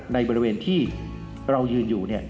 ในบริเวณที่เรายืนอยู่